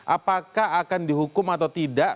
apakah akan dihukum atau tidak